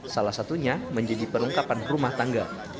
salah satunya menjadi perlengkapan rumah tangga